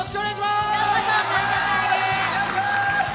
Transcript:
ようこそ「感謝祭」へ！